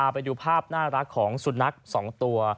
ไปดูภาพน่ารักของสุนัข๒ตัว